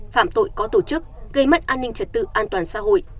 phạm tội có tổ chức gây mất an ninh trật tự an toàn xã hội